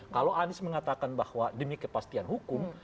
kalau anies mengatakan bahwa demi kepastian hukum